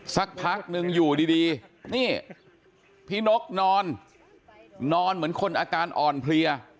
สักพักนึงอยู่ดีนี่พี่นกนอนนอนเหมือนคนอาการอ่อนเพลีย